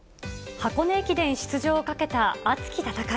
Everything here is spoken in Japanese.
箱根駅伝出場をかけた熱き戦い。